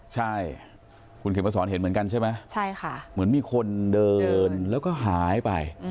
ใช่คุณเข็มมาสอนเห็นเหมือนกันใช่ไหมใช่ค่ะเหมือนมีคนเดินแล้วก็หายไป